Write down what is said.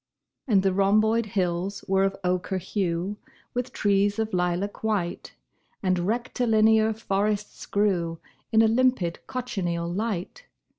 And the rhomboid hills were of ochre hue With trees of lilac white, And rectilinear forests grew In a limpid cochineal light.